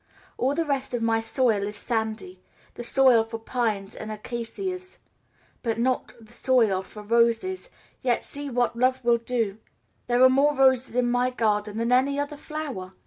All the rest of my soil is sandy the soil for pines and acacias, but not the soil for roses; yet see what love will do there are more roses in my garden than any other flower!